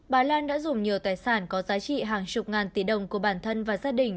bà lan đã dùng nhiều tài sản có giá trị hàng chục ngàn tỷ đồng của bản thân và gia đình